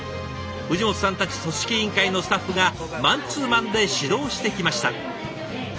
藤本さんたち組織委員会のスタッフがマンツーマンで指導してきました。